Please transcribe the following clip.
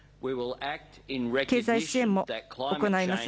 経済支援も行います。